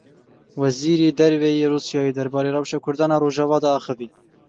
Wezêrî Derve yê Rûsyayê derbarê rewşa Kurdan û Rojava de axivî.